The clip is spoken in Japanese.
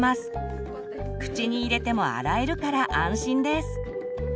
口に入れても洗えるから安心です。